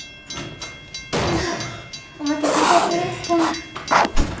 ああお待たせいたしました。